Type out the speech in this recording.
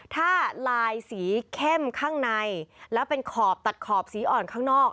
ถ้าลายสีเข้มข้างในแล้วเป็นขอบตัดขอบสีอ่อนข้างนอก